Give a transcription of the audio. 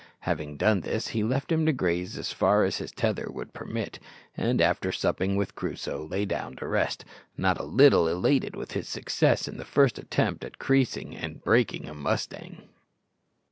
Having done this, he left him to graze as far as his tether would permit; and, after supping with Crusoe, lay down to rest, not a little elated with his success in this first attempt at "creasing" and "breaking" a mustang.